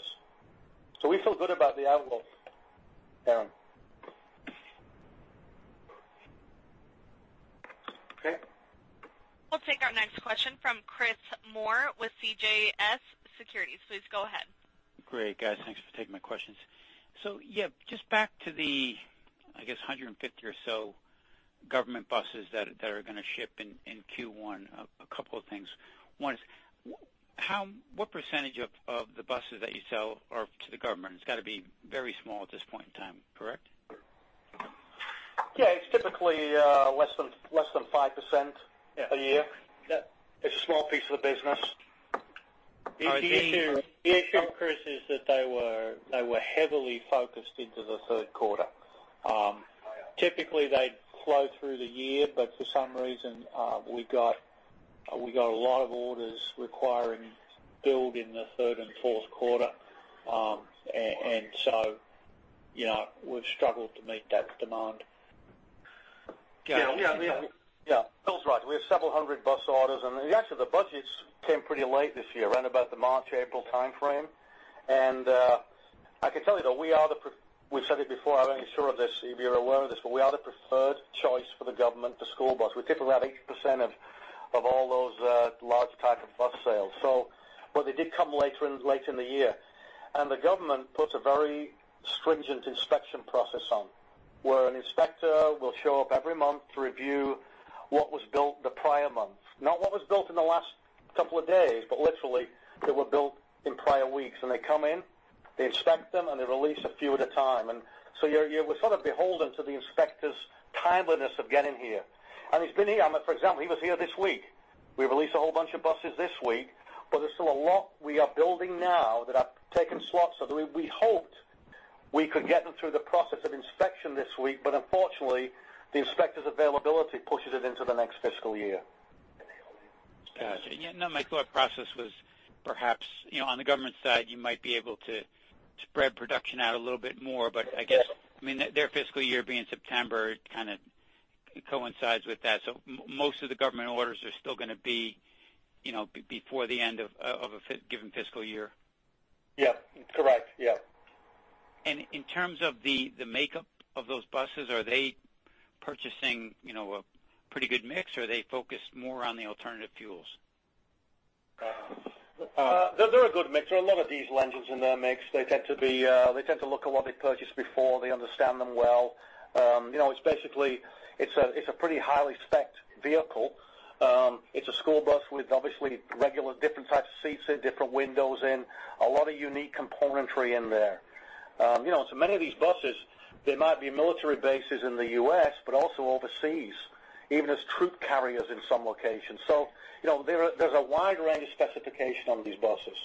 C: We feel good about the outlook, Aaron.
F: Okay.
A: We'll take our next question from Chris Moore with CJS Securities. Please go ahead.
G: Great, guys. Thanks for taking my questions. Yeah, just back to the, I guess, 150 or so government buses that are going to ship in Q1. A couple of things. One is, what % of the buses that you sell are to the government? It's got to be very small at this point in time, correct?
C: Yeah, it's typically less than 5% a year.
G: Yeah.
C: It's a small piece of the business.
G: All right.
D: The issue, Chris, is that they were heavily focused into the third quarter.
C: They are.
D: Typically, they'd flow through the year, For some reason, we got a lot of orders requiring build in the third and fourth quarter. We've struggled to meet that demand.
C: Yeah. Phil's right. We have several hundred bus orders. Actually, the budgets came pretty late this year, around about the March, April timeframe. I can tell you, though, we've said it before, I'm not even sure if you're aware of this, we are the preferred choice for the government for school bus. We take around 80% of all those large types of bus sales. They did come late in the year. The government puts a very stringent inspection process on, where an inspector will show up every month to review what was built the prior month. Not what was built in the last couple of days, but literally that were built in prior weeks. They come in, they inspect them, and they release a few at a time. You're beholden to the inspector's timeliness of getting here. He's been here. For example, he was here this week. We released a whole bunch of buses this week, There's still a lot we are building now that have taken slots. We hoped we could get them through the process of inspection this week, Unfortunately, the inspector's availability pushes it into the next fiscal year.
G: Got you. My thought process was perhaps, on the government side, you might be able to spread production out a little bit more, but I guess their fiscal year being September coincides with that. Most of the government orders are still going to be before the end of a given fiscal year.
C: Yeah. Correct.
G: In terms of the makeup of those buses, are they purchasing a pretty good mix or are they focused more on the alternative fuels?
C: They're a good mix. There are a lot of diesel engines in their mix. They tend to look at what they've purchased before. They understand them well. It's basically a pretty highly spec'd vehicle. It's a school bus with obviously regular different types of seats and different windows in, a lot of unique componentry in there. Many of these buses, they might be military bases in the U.S., but also overseas, even as troop carriers in some locations. There's a wide range of specification on these buses.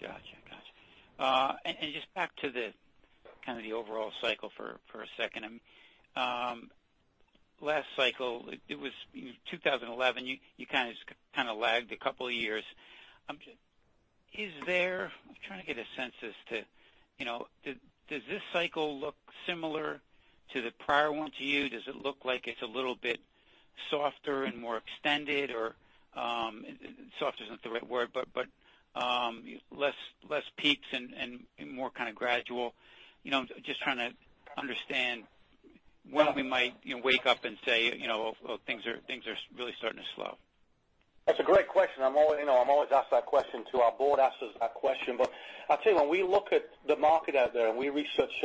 G: Got you. Just back to the overall cycle for a second. Last cycle, it was 2011, you lagged a couple of years. I'm trying to get a sense as to, does this cycle look similar to the prior one to you? Does it look like it's a little bit softer and more extended or, softer isn't the right word, but less peaks and more gradual? Just trying to understand when we might wake up and say, "Oh, things are really starting to slow.
C: That's a great question. I'm always asked that question, too. Our board asks us that question. I'll tell you, when we look at the market out there, and we research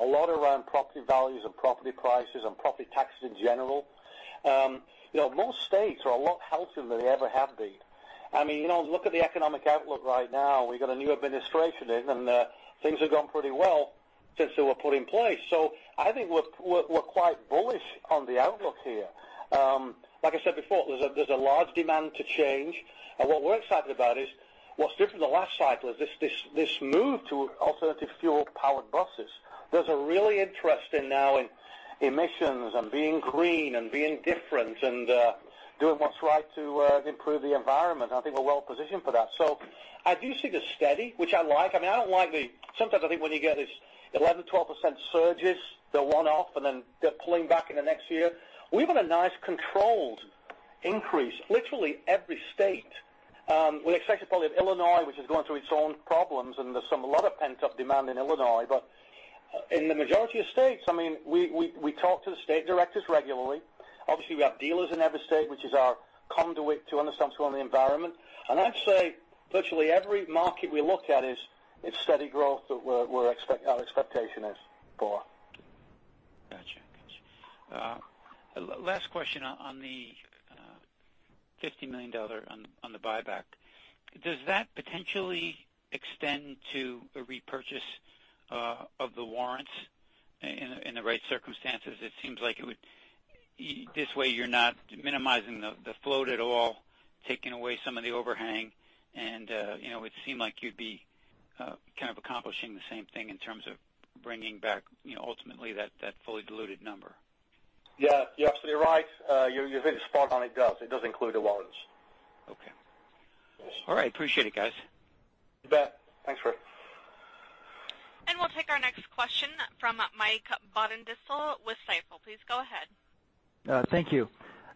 C: a lot around property values and property prices and property taxes in general. Most states are a lot healthier than they ever have been. Look at the economic outlook right now. We've got a new administration in, and things have gone pretty well since they were put in place. I think we're quite bullish on the outlook here. Like I said before, there's a large demand to change, and what we're excited about is what's different the last cycle is this move to alternative fuel-powered buses. There's a real interest now in emissions and being green and being different and doing what's right to improve the environment, and I think we're well positioned for that. I do see the steady, which I like. Sometimes I think when you get these 11%, 12% surges, they're one-off, and then they're pulling back in the next year. We've got a nice controlled increase. Literally every state, with the exception probably of Illinois, which is going through its own problems, and there's a lot of pent-up demand in Illinois. In the majority of states, we talk to the state directors regularly. Obviously, we have dealers in every state, which is our conduit to understanding what's going on in the environment. I'd say virtually every market we look at is steady growth, our expectation is for.
G: Got you. Last question on the $50 million on the buyback. Does that potentially extend to a repurchase of the warrants in the right circumstances? It seems like this way you're not minimizing the float at all, taking away some of the overhang, and it seemed like you'd be accomplishing the same thing in terms of bringing back ultimately that fully diluted number.
C: Yeah. You're absolutely right. You're hitting the spot on. It does include the warrants.
G: Okay. All right. Appreciate it, guys.
C: You bet. Thanks, Chris.
A: We'll take our next question from Michael Shlisky with Seaport. Please go ahead.
H: Thank you.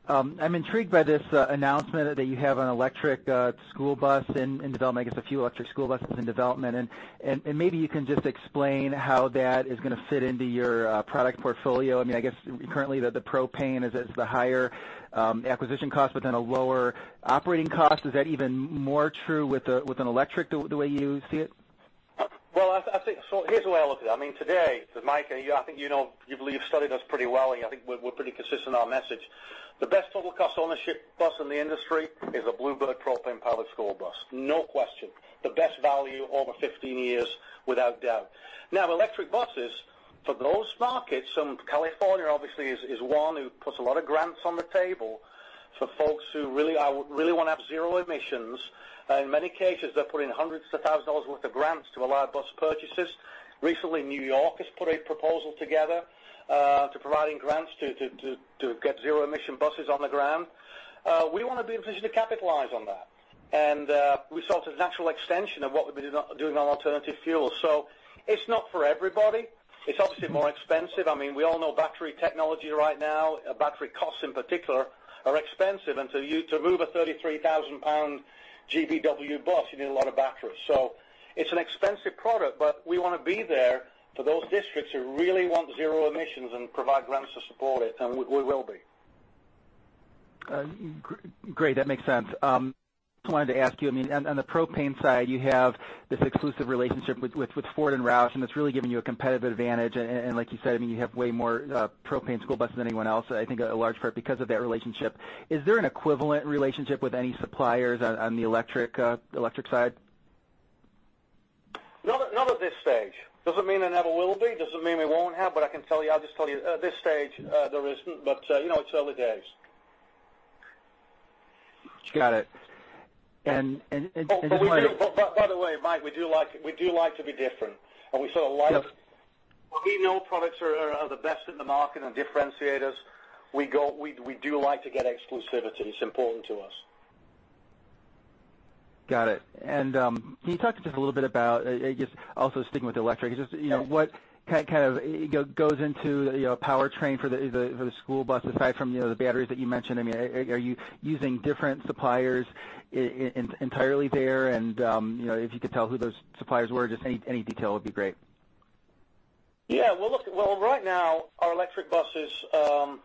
H: I'm intrigued by this announcement that you have an electric school bus in development, I guess a few electric school buses in development, and maybe you can just explain how that is going to fit into your product portfolio. I guess currently the propane is the higher acquisition cost, but then a lower operating cost. Is that even more true with an electric, the way you see it?
C: Well, here's the way I look at it. Today, Mike, I think you've studied us pretty well, and I think we're pretty consistent in our message. The best total cost ownership bus in the industry is a Blue Bird propane-powered school bus, no question. The best value over 15 years, without doubt. Electric buses, for those markets, California obviously is one who puts a lot of grants on the table for folks who really want to have zero emissions. In many cases, they're putting hundreds of thousands of dollars worth of grants to allow bus purchases. Recently, New York has put a proposal together to providing grants to get zero-emission buses on the ground. We want to be in a position to capitalize on that. We saw it as a natural extension of what we've been doing on alternative fuels. It's not for everybody. It's obviously more expensive. We all know battery technology right now, battery costs in particular, are expensive. To move a 33,000-pound GVW bus, you need a lot of batteries. It's an expensive product, but we want to be there for those districts who really want zero emissions and provide grants to support it, and we will be.
H: Great. That makes sense. Just wanted to ask you, on the propane side, you have this exclusive relationship with Ford and Roush. It's really giving you a competitive advantage. Like you said, you have way more propane school buses than anyone else, I think a large part because of that relationship. Is there an equivalent relationship with any suppliers on the electric side?
C: Not at this stage. Doesn't mean there never will be, doesn't mean we won't have, but I can tell you, I'll just tell you at this stage, there isn't, but it's early days.
H: Got it. Just wanted-
C: By the way, Mike, we do like to be different.
H: Yep.
C: When we know products are the best in the market and differentiators, we do like to get exclusivity. It's important to us.
H: Got it. Can you talk to just a little bit about, just also sticking with electric.
C: Yes
H: What kind of goes into a powertrain for the school bus, aside from the batteries that you mentioned? Are you using different suppliers entirely there? If you could tell who those suppliers were, just any detail would be great.
C: Well, right now, our electric buses. In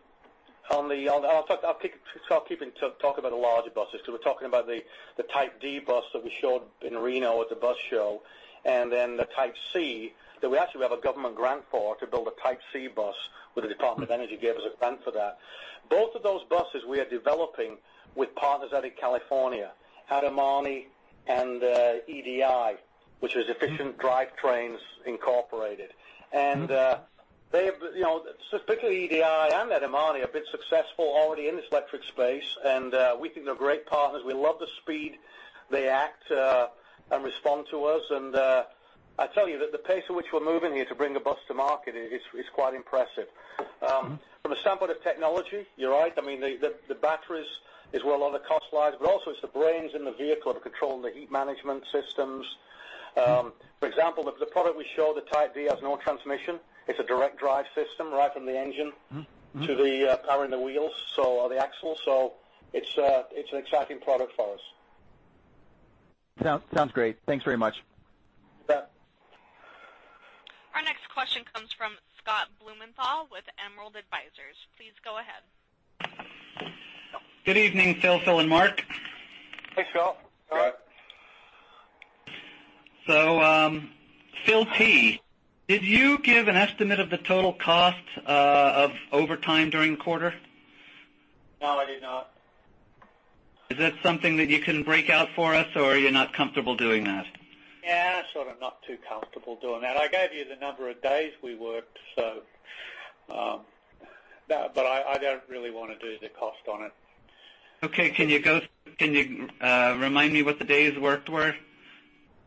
C: fact, I'll keep talking about the larger buses, because we're talking about the Type D bus that we showed in Reno at the bus show, then the Type C, that we actually have a government grant for, to build a Type C bus, where the Department of Energy gave us a grant for that. Both of those buses we are developing with partners out in California, ADOMANI and EDI, which is Efficient Drivetrains Incorporated. Specifically EDI and ADOMANI, have been successful already in this electric space, and we think they're great partners. We love the speed they act and respond to us. I tell you that the pace at which we're moving here to bring a bus to market is quite impressive. From the standpoint of technology, you're right. The batteries is where a lot of the cost lies, but also it's the brains in the vehicle that are controlling the heat management systems. For example, the product we show, the Type D, has no transmission. It's a direct drive system right from the engine to the power in the wheels, or the axle. It's an exciting product for us.
H: Sounds great. Thanks very much.
C: Yeah.
A: Our next question comes from Scott Blumenthal with Emerald Advisers. Please go ahead.
I: Good evening, Phil and Mark.
C: Hey, Scott.
I: Phil Tighe, did you give an estimate of the total cost of overtime during the quarter?
D: No, I did not.
I: Is that something that you can break out for us, or are you not comfortable doing that?
D: Yeah, sort of not too comfortable doing that. I gave you the number of days we worked. I don't really want to do the cost on it.
I: Okay. Can you remind me what the days worked were?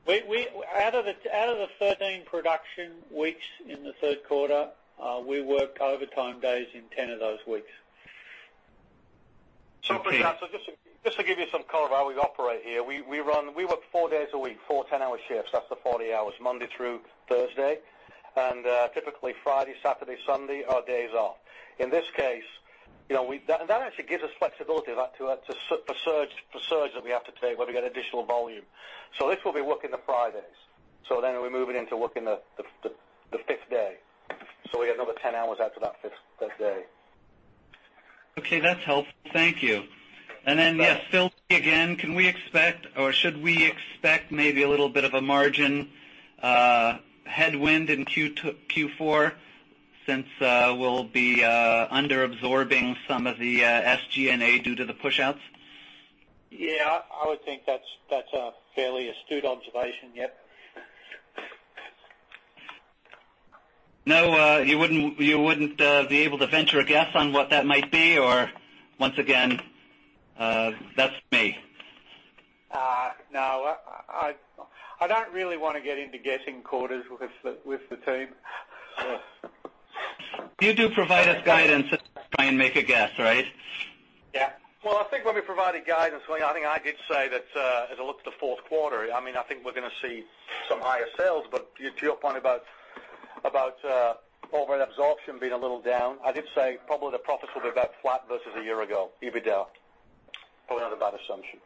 D: Out of the 13 production weeks in the third quarter, we worked overtime days in 10 of those weeks.
C: Just to give you some color how we operate here. We work four days a week, four 10-hour shifts. That's the 40 hours, Monday through Thursday. Typically, Friday, Saturday, Sunday are days off. In this case, that actually gives us flexibility for surge that we have to take when we get additional volume. This, we'll be working the Fridays. Then we're moving into working the fifth day. We get another 10 hours after that fifth day.
I: Okay, that's helpful. Thank you. Then, yes, Phil, again, can we expect, or should we expect maybe a little bit of a margin headwind in Q4 since we'll be under-absorbing some of the SG&A due to the push-outs?
D: Yeah, I would think that's a fairly astute observation, yep.
I: No, you wouldn't be able to venture a guess on what that might be? Once again, that's me.
D: No. I don't really want to get into guessing quarters with the team.
I: You do provide us guidance, just try and make a guess, right?
C: Yeah. Well, I think when we provided guidance, I think I did say that as I look to the fourth quarter, I think we're going to see some higher sales. To your point about overhead absorption being a little down, I did say probably the profits will be about flat versus a year ago, EBITDA. Put it out a bad assumption.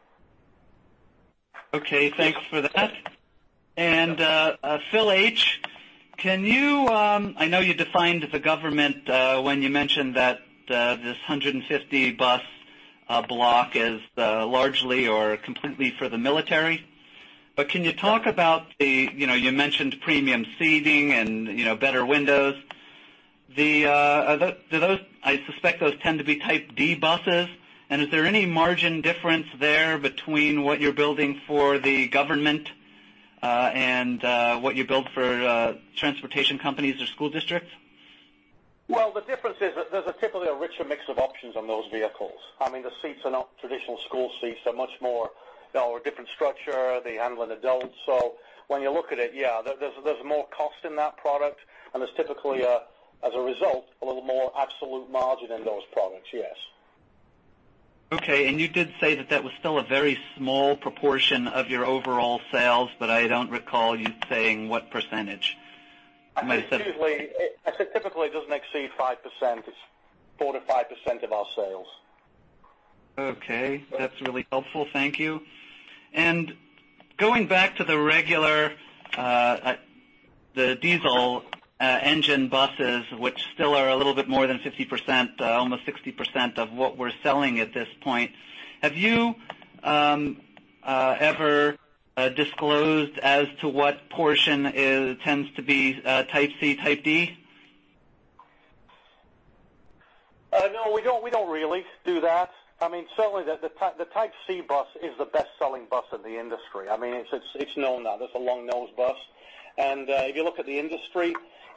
I: Okay. Thanks for that. Phil H, I know you defined the government, when you mentioned that this 150 bus block is largely or completely for the military. Can you talk about, you mentioned premium seating and better windows. I suspect those tend to be Type D buses. Is there any margin difference there between what you're building for the government, and what you build for transportation companies or school districts?
C: Well, the difference is that there's typically a richer mix of options on those vehicles. The seats are not traditional school seats. They're a different structure. They handle an adult. When you look at it, yeah, there's more cost in that product, and there's typically, as a result, a little more absolute margin in those products, yes.
I: Okay. You did say that that was still a very small proportion of your overall sales, but I don't recall you saying what percentage. You might have said-
C: I said typically, it doesn't exceed 5%. It's 4% to 5% of our sales.
I: Okay. That's really helpful. Thank you. Going back to the regular, the diesel engine buses, which still are a little bit more than 50%, almost 60% of what we're selling at this point. Have you ever disclosed as to what portion tends to be Type C, Type D?
C: No, we don't really do that. Certainly, the Type C bus is the best-selling bus in the industry. It's known now. That's a long-nose bus. If you look at the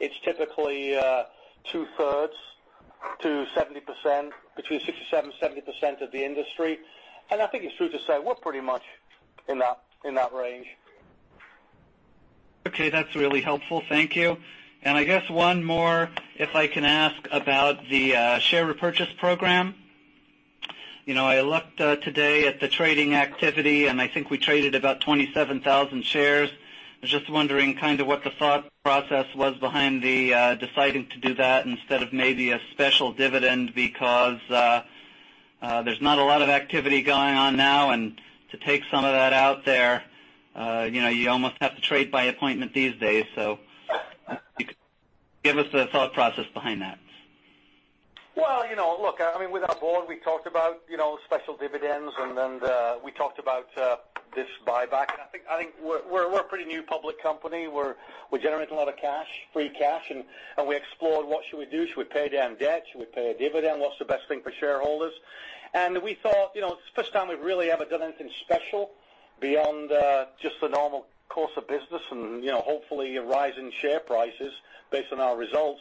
C: industry, it's typically two-thirds to 70%, between 67% and 70% of the industry. I think it's true to say we're pretty much in that range.
I: Okay. That's really helpful. Thank you. I guess one more, if I can ask about the share repurchase program. I looked today at the trading activity, I think we traded about 27,000 shares. I was just wondering what the thought process was behind the deciding to do that instead of maybe a special dividend. There's not a lot of activity going on now, and to take some of that out there, you almost have to trade by appointment these days. Give us the thought process behind that.
C: Well, look, with our board, we talked about special dividends. We talked about this buyback. I think we're a pretty new public company. We're generating a lot of cash, free cash. We explored what should we do. Should we pay down debt? Should we pay a dividend? What's the best thing for shareholders? We thought, it's the first time we've really ever done anything special beyond just the normal course of business and hopefully a rise in share prices based on our results.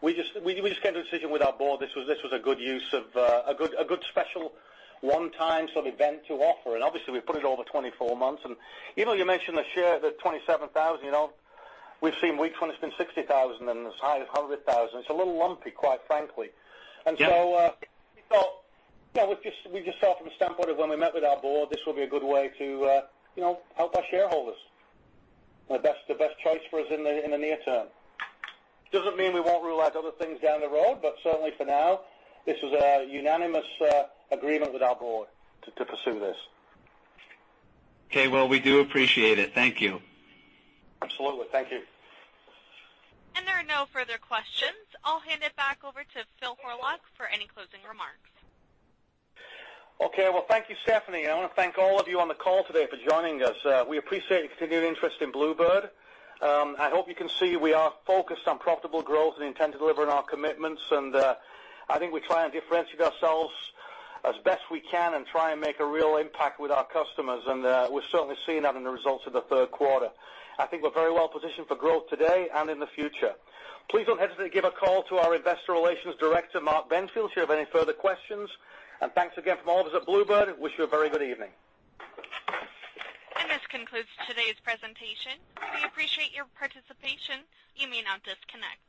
C: We just came to a decision with our board. This was a good use of a good special one-time sort of event to offer. Obviously, we've put it over 24 months. You mentioned the share, the 27,000. We've seen weeks when it's been 60,000, and as high as 100,000. It's a little lumpy, quite frankly.
I: Yeah.
C: We thought from the standpoint of when we met with our board, this would be a good way to help our shareholders. The best choice for us in the near term. Doesn't mean we won't rule out other things down the road. Certainly for now, this was a unanimous agreement with our board to pursue this.
I: Okay. Well, we do appreciate it. Thank you.
C: Absolutely. Thank you.
A: There are no further questions. I'll hand it back over to Phil Horlock for any closing remarks.
C: Okay. Well, thank you, Stephanie. I want to thank all of you on the call today for joining us. We appreciate your continued interest in Blue Bird. I hope you can see we are focused on profitable growth and intend to deliver on our commitments. I think we try and differentiate ourselves as best we can and try and make a real impact with our customers. We're certainly seeing that in the results of the third quarter. I think we're very well positioned for growth today and in the future. Please don't hesitate to give a call to our Investor Relations Director, Mark Benfield, if you have any further questions. Thanks again from all of us at Blue Bird. Wish you a very good evening.
A: This concludes today's presentation. We appreciate your participation. You may now disconnect.